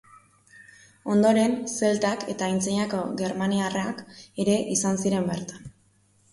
Ondoren zeltak eta antzinako germaniarrak ere izan ziren bertan.